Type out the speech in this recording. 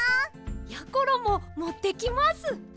やころももってきます。